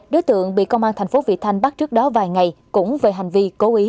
đối tượng bị công an thành phố vị thanh bắt trước đó vài ngày cũng về hành vi cố ý